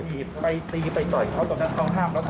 ใช่ครับ